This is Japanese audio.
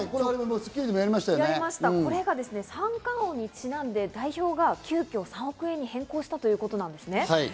『スッキリ』でもやりましたが、これが三冠王にちなんで代表が急きょ３億円に変更したということです。